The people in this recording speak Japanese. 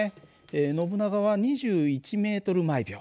ノブナガは２１ｍ／ｓ。